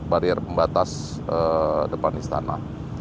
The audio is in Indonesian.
barier pembatas depan istana